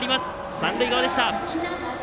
三塁側でした。